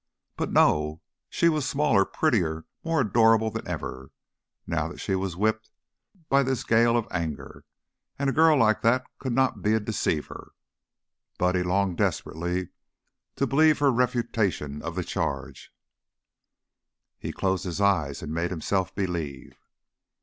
But no, she was smaller, prettier, more adorable than ever, now that she was whipped by this gale of anger, and a girl like that could not be a deceiver. Buddy longed desperately to believe her refutation of the charge. He closed his eyes and made himself believe.